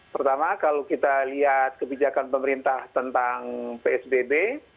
pertama kalau kita lihat kebijakan pemerintah tentang psbb